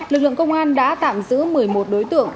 lực lượng công an đã tạm giữ một mươi một đối tượng